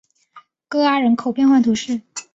戈阿人口变化图示